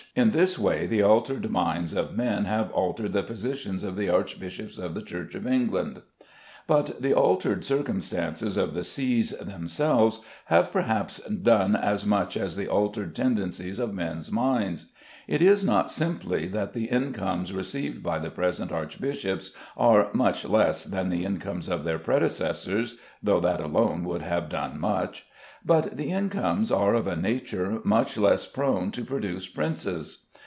In this way the altered minds of men have altered the position of the archbishops of the Church of England. But the altered circumstances of the sees themselves have perhaps done as much as the altered tendencies of men's minds. It is not simply that the incomes received by the present archbishops are much less than the incomes of their predecessors, though that alone would have done much, but the incomes are of a nature much less prone to produce princes.